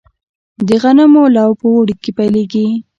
د غنمو لو په اوړي کې پیلیږي.